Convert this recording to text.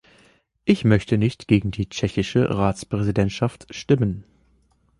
Ich möchte nicht gegen die tschechische Ratspräsidentschaft stimmen.